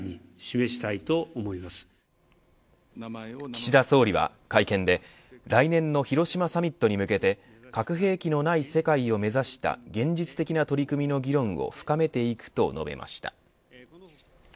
岸田総理は会見で来年の広島サミットに向けて核兵器のない世界を目指した現実的な取り組みの議論を深めていくと述べました。